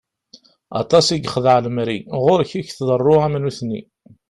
Aṭas i yexdeɛ lemri, ɣuṛ-k i k-tḍeṛṛu am nutni!